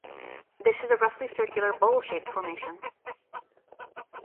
This is a roughly circular, bowl-shaped formation.